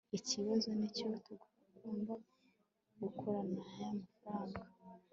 ikibazo nicyo tugomba gukora naya mafranga